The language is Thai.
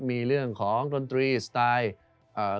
มีเรื่องของดนตรีสไตล์เอ่อ